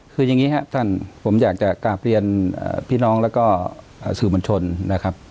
คืออย่างนี้ครับท่านผมอยากจะกลับเรียนพี่น้องแล้วก็สื่อมวลชนนะครับ